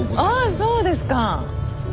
あそうですか。